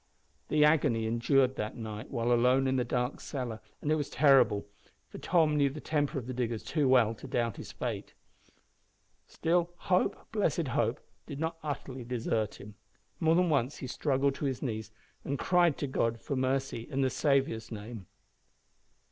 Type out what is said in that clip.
The agony endured that night while alone in the dark cellar was terrible, for Tom knew the temper of the diggers too well to doubt his fate. Still hope, blessed hope, did not utterly desert him. More than once he struggled to his knees and cried to God for mercy in the Saviour's name.